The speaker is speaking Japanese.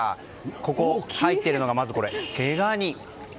ここ入っているのがまず毛ガニ。